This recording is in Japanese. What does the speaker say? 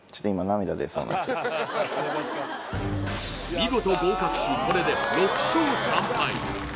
見事合格しこれで６勝３敗